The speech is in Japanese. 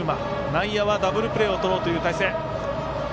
内野はダブルプレーをとろうという態勢。